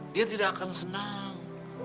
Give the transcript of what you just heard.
dia tidak akan senang